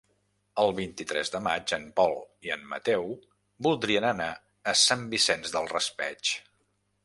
El vint-i-tres de maig en Pol i en Mateu voldrien anar a Sant Vicent del Raspeig.